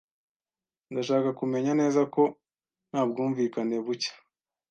Ndashaka kumenya neza ko nta bwumvikane buke.